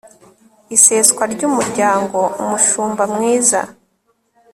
Iseswa ry Umuryango UMUSHUMBA MWIZA